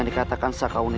belum ada menentukanmu